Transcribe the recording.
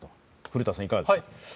古田さん、いかがですか。